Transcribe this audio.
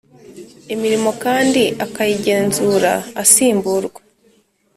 imirimo kandi akayigenzura Asimburwa